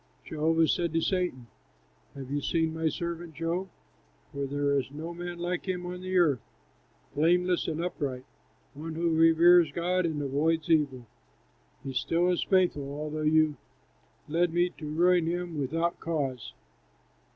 Jehovah said to Satan, "Have you seen my servant Job? For there is no man like him on the earth, blameless and upright, one who reveres God and avoids evil; he still is faithful, although you led me to ruin him without cause."